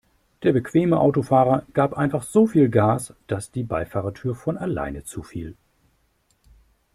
Der bequeme Autofahrer gab einfach so viel Gas, dass die Beifahrertür von alleine zufiel.